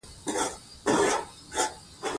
د مارانو په جامه شیطانان ډیر دي